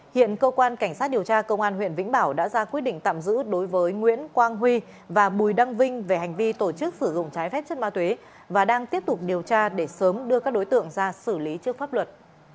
hiện cơ quan cảnh sát điều tra công an huyện vĩnh bảo đã ra quyết định tạm giữ đối với nguyễn quang huy và bùi đăng vinh về hành vi tổ chức sử dụng trái phép chất ma túy và đang tiếp tục điều tra để sớm đưa các đối tượng ra xử lý trước pháp luật